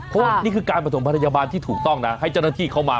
เพราะว่านี่คือการประถมพยาบาลที่ถูกต้องนะให้เจ้าหน้าที่เข้ามา